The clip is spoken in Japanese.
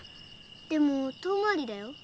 でも遠回りだよ。